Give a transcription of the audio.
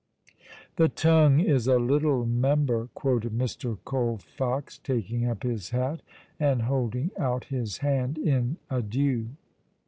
"The tongue is a little member," quoted Mr. Colfox, taking up his hat, and holding out his hand in adieu.